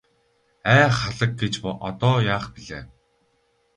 Ай халаг гэж одоо яах билээ.